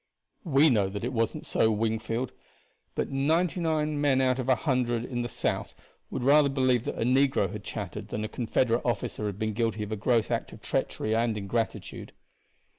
We know that it wasn't so, Wingfield; but ninety nine out of every hundred white men in the South would rather believe that a negro had chattered than that a Confederate officer had been guilty of a gross act of treachery and ingratitude."